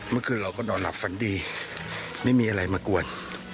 เมื่อคืนเราก็นอนหลับฝันดีไม่มีอะไรมากวน